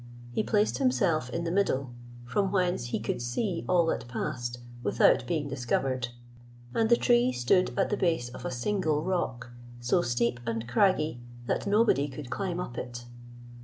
He placed himself in the middle, from whence he could see all that passed without being discovered; and the tree stood at the base of a single rock, so steep and craggy that nobody could climb up it.